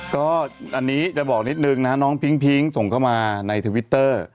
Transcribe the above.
ก็อันนี้จะบอกนิดนึงนะน้องพิ้งส่งเข้ามาในทวิตเตอร์